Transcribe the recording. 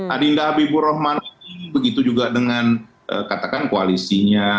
adinda habibur rahman begitu juga dengan katakan koalisinya